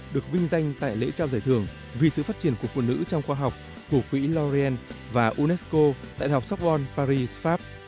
được vinh danh tại lễ trao giải thưởng vì sự phát triển của phụ nữ trong khoa học của quỹ l orient và unesco tại đại học sopwon paris pháp